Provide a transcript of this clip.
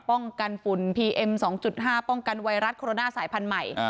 ป้องกันฝุ่นพีเอ็ม๒๕ป้องกันไวรัสโคโรนาสายพันธุ์ใหม่